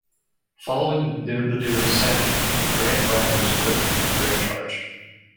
Following the duo's sacking, Grant Brown was put in temporary charge.